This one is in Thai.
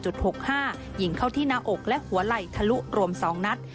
ยิงเข้าที่หน้าอกและหัวไหล่ทะลุรวม๒นัด